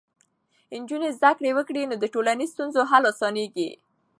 نجونې زده کړه وکړي، نو د ټولنیزو ستونزو حل اسانېږي.